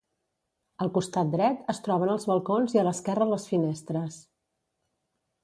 Al costat dret es troben els balcons i a l'esquerra les finestres.